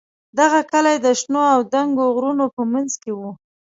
دغه کلی د شنو او دنګو غرونو په منځ کې و.